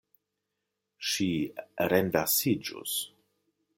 Ŝi renversiĝus.